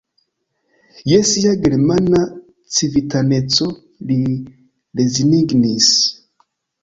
Je sia germana civitaneco li rezignis.